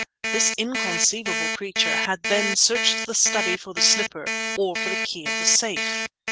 This inconceivable creature had then searched the study for the slipper—or for the key of the safe.